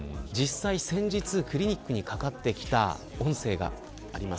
先日、クリニックにかかってきた音声があります。